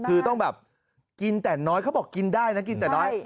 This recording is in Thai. คือต้องแบบกินแต่น้อยเขาบอกกินได้นะกินแต่น้อย